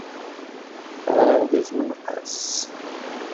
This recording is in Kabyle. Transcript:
Γriɣ di tmenqas.